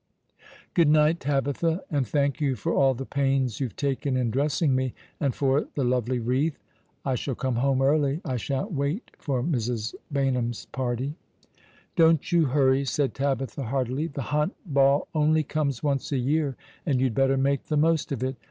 " Good night, Tabitha, and thank you for all the pains you've taken in dressing me — and for the lovely wreath. I shall come home early. I shan't wait for Mrs. Baynham's party." "Don't you hurry," said Tabitha, heartily. "The Hunt Ball only comes once a year, and you'd better make the most of it.